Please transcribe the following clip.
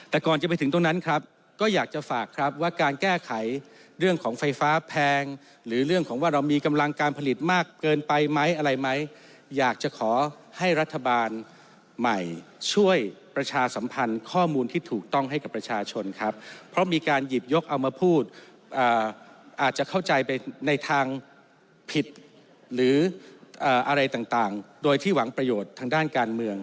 แต่ก่อนจะไปถึงตรงนั้นครับก็อยากจะฝากครับว่าการแก้ไขเรื่องของไฟฟ้าแพงหรือเรื่องของว่าเรามีกำลังการผลิตมากเกินไปไหมอะไรไหมอยากจะขอให้รัฐบาลใหม่ช่วยประชาสัมพันธ์ข้อมูลที่ถูกต้องให้กับประชาชนครับเพราะมีการหยิบยกเอามาพูดอาจจะเข้าใจไปในทางผิดหรืออะไรต่างโดยที่หวังประโยชน์ทางด้านการเมือง